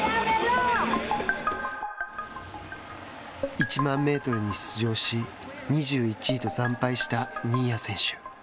１００００メートルに出場し２１位と惨敗した新谷選手。